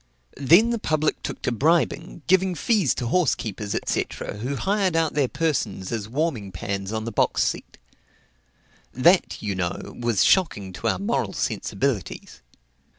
Then the public took to bribing, giving fees to horse keepers, &c., who hired out their persons as warming pans on the box seat. That, you know, was shocking to our moral sensibilities.